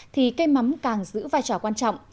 thì cây mắm càng giữ vai trò quan trọng